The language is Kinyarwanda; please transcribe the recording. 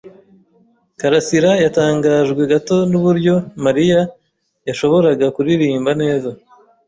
Karasirayatangajwe gato nuburyo Mariya yashoboraga kuririmba neza.